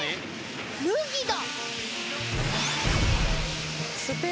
麦だ！